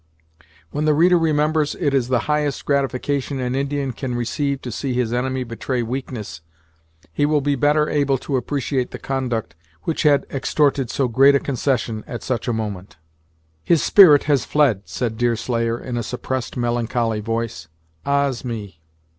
When the reader remembers it is the highest gratification an Indian can receive to see his enemy betray weakness, he will be better able to appreciate the conduct which had extorted so great a concession at such a moment. "His spirit has fled!" said Deerslayer, in a suppressed, melancholy voice. "Ah's me!